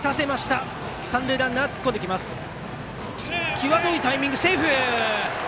際どいタイミング一塁セーフ！